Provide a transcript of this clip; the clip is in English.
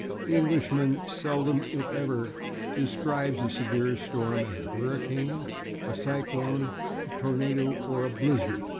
The Englishman seldom, if ever, describes a severe storm as a /hurricane/, a /cyclone/, a /tornado/ or a /blizzard